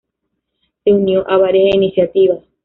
Se unió a varias iniciativas.